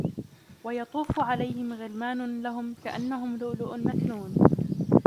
وَيَطُوفُ عَلَيْهِمْ غِلْمَانٌ لَهُمْ كَأَنَّهُمْ لُؤْلُؤٌ مَكْنُونٌ